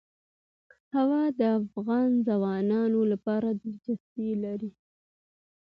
هوا د افغان ځوانانو لپاره دلچسپي لري.